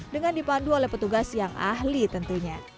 dengan dipandu oleh petugas yang ahli tentunya